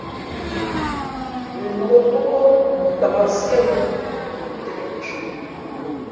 Pʉnok pók nlak siēwū tα tēn mα thʉ̄.